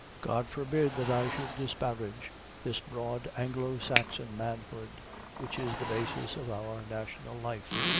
God forbid that I should disparage this broad Anglo Saxon manhood which is the basis of our national life.